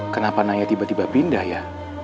kenapa naya tiba tiba pindah ya